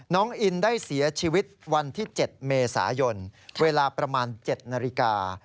น้องอินได้เสียชีวิตวันที่๗เมษายนเวลาประมาณ๗นาฬิกา